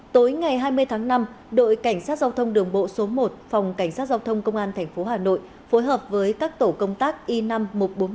tối ngày hai mươi tháng năm đội cảnh sát giao thông đường bộ số một phòng cảnh sát giao thông công an tp hà nội phối hợp với các tổ công tác y năm một b